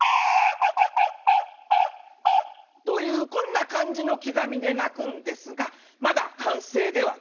アッ！というこんな感じの刻みで鳴くんですがまだ完成ではない。